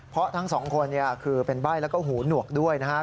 เพราะทั้งสองคนคือเป็นใบ้แล้วก็หูหนวกด้วยนะครับ